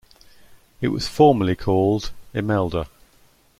It was formerly called Imelda.